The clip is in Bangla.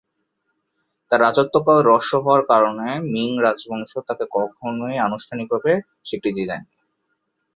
তার রাজত্বকাল হ্রস্ব হওয়ার কারণে মিং রাজবংশ তাকে কখনোই আনুষ্ঠানিক ভাবে স্বীকৃতি দেননি।